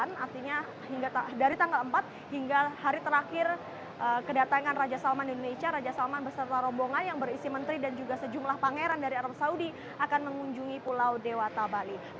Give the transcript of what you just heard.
dan pada tanggal empat hingga sembilan artinya dari tanggal empat hingga hari terakhir kedatangan raja salman di indonesia raja salman berserta rombongan yang berisi menteri dan juga sejumlah pangeran dari arab saudi akan mengunjungi pulau dewata bali